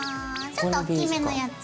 ちょっと大きめのやつ。